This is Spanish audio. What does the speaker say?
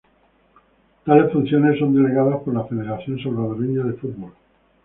Tales funciones son delegadas por la Federación Salvadoreña de Fútbol.